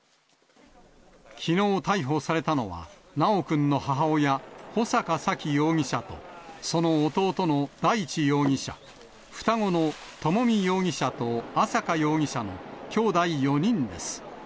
きのう逮捕されたのは、修くんの母親、穂坂沙喜容疑者と、その弟の大地容疑者、双子の朝美容疑者と朝華容疑者のきょうだい４人です。